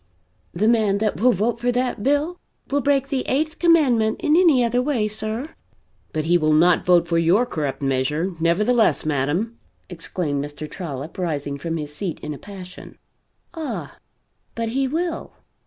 The man that will vote for that bill will break the eighth commandment in any other way, sir!" "But he will not vote for your corrupt measure, nevertheless, madam!" exclaimed Mr. Trollop, rising from his seat in a passion. "Ah, but he will.